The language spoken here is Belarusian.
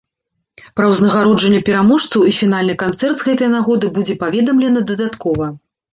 Пра ўзнагароджанне пераможцаў і фінальны канцэрт з гэтай нагоды будзе паведамлена дадаткова.